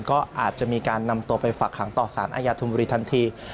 ก็อาจจะมีการนำตัวไปฝากหางต่อสารอาญาธุมบุรีทันที